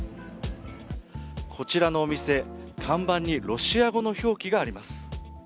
こちらのお店、看板にロシア語の表記があります。